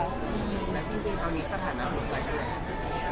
แล้วจริงคราวนี้ขนาดนั้นคืออะไรคือเนี่ย